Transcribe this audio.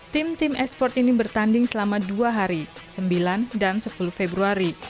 tim tim e sport ini bertanding selama dua hari sembilan dan sepuluh februari